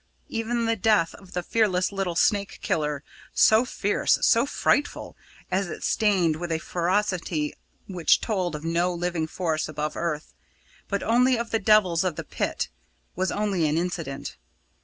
Even the death of the fearless little snake killer so fierce, so frightful, as if stained with a ferocity which told of no living force above earth, but only of the devils of the pit was only an incident.